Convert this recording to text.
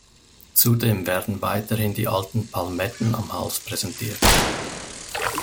Zudem werden weiterhin die alten Palmetten am Hals präsentiert.